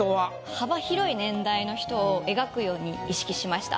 幅広い年代の人を描くように意識しました。